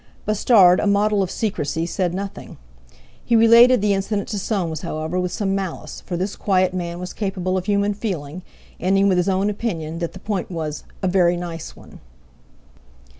Bustard, a model of secrecy, said nothing. He related the incident to Soames however with some malice, for this quiet man was capable of human feeling, ending with his own opinion that the point was "a very nice one."